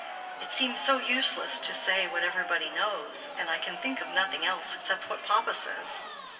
It seems so useless to say what everybody knows, and I can think of nothing else, except what papa says."